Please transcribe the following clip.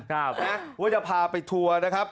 ว่าจะพาไปทัวร์นะครับ